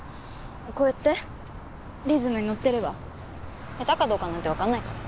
こうやってリズムにのってれば下手かどうかなんてわかんないから。